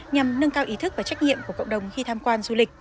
nhằm nâng cao ý thức và trách nhiệm của cộng đồng khi tham quan du lịch